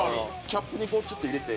キャップにちょっと入れて。